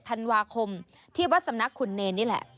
ธันวาคมที่วัดสำนักขุนเนรนี่แหละ